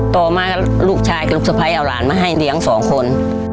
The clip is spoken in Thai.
ต่อมาลูกชายกับลูกสะพ้ายเอาหลานมาให้เลี้ยงสองคน